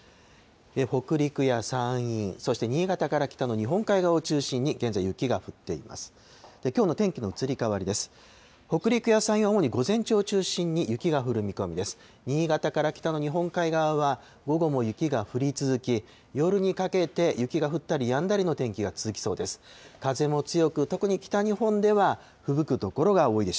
北陸や山陰、そして新潟から北の日本海側を中心に、現在、雪が降っています。